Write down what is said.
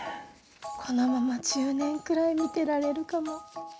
このまま１０年くらい見てられるかも。